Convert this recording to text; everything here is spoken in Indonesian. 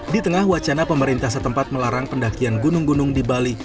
di tengah wacana pemerintah setempat melarang pendakian gunung gunung di bali